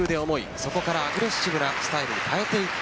そこからアグレッシブなスタイルに変えていった